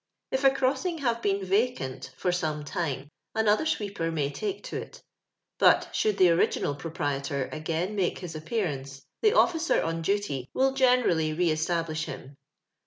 If a crossing have been vacant for some time, another sweeper may take to it; but should the original proprietor again make his appearatice, the officer on duty will generally re establish liim.